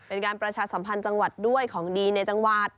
เป็นการประชาสัมพันธ์จังหวัดด้วยของดีในจังหวัด